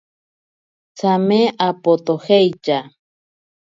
Tsame apatojeitya.